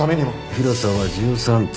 広さは１３坪。